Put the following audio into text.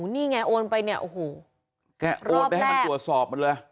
นี่ไงโอนไปเนี่ยโอ้โหแกโอนไปให้มันตรวจสอบมันเลย